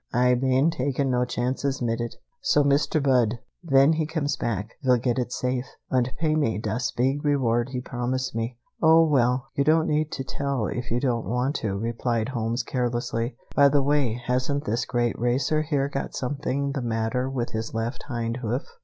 Ay bane taking no chances mit it, so Mr. Budd, ven he comes back, vill get it safe, und pay me das big reward he promised me." "Oh, well; you don't need to tell if you don't want to," replied Holmes carelessly. "By the way, hasn't this great racer here got something the matter with his left hind hoof?